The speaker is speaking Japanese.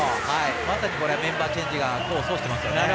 まさにメンバーチェンジが功を奏していますね。